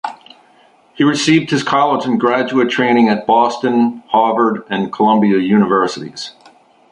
He received his college and graduate training at Boston, Harvard, and Columbia universities.